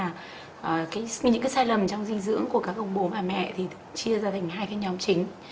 và những cái sai lầm trong dinh dưỡng của các ông bố và mẹ thì chia ra thành hai cái nhóm chính